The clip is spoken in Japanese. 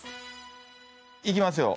いきますよ